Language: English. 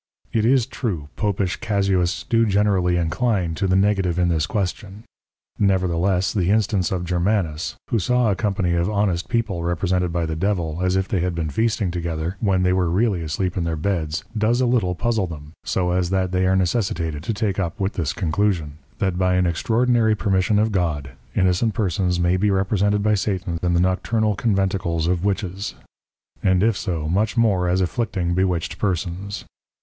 It is true Popish Casuists do generally incline to the Negative in this Question: Nevertheless, the Instance of Germanus, who saw a Company of honest People represented by the Devil, as if they had been feasting together, when they were really asleep in their Beds, does a little puzzle them, so as that they are necessitated to take up with this Conclusion, _That by an extraordinary Permission of God, innocent Persons may be represented by Satan in the Nocturnal Conventicles of Witches:_ And if so, much more as afflicting bewitched Persons.